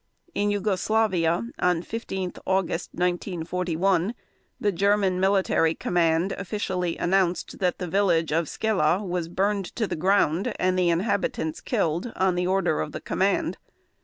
In Yugoslavia on 15 August 1941, the German military command officially announced that the village of Skela was burned to the ground and the inhabitants killed on the order of the command.